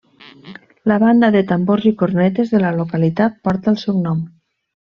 La banda de tambors i cornetes de la localitat porta el seu nom.